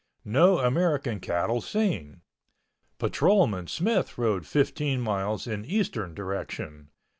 No American cattle seen. Policeman Smith rode 15 miles in Eastern direction.